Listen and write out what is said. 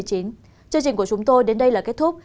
chương trình của chúng tôi đến đây là kết thúc